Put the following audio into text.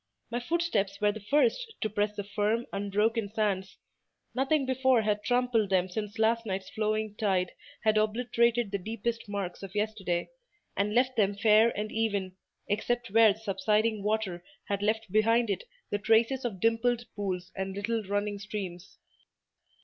My footsteps were the first to press the firm, unbroken sands;—nothing before had trampled them since last night's flowing tide had obliterated the deepest marks of yesterday, and left them fair and even, except where the subsiding water had left behind it the traces of dimpled pools and little running streams.